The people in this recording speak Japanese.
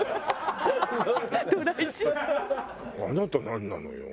あなたなんなのよ？